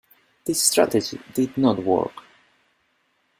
This strategy did not work.